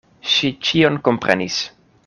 Ŝi ĉion komprenis.